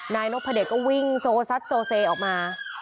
นายนพเดชก็วิ่งโซซัดโซเซออกมา